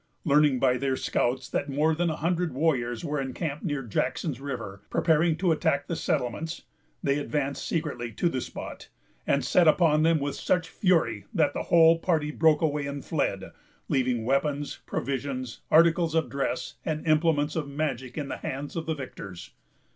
Learning by their scouts that more than a hundred warriors were encamped near Jackson's River, preparing to attack the settlements, they advanced secretly to the spot, and set upon them with such fury that the whole party broke away and fled; leaving weapons, provisions, articles of dress, and implements of magic, in the hands of the victors.